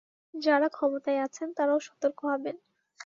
যাঁরা ক্ষমতায় আছেন, তাঁরাও সতর্ক হবেন।